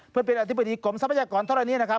เพื่อนเป็นอธิบดีกลมสมัยกรเท่านี้นะครับ